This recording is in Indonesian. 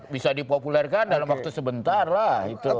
bisa dipopulerkan dalam waktu sebentar lah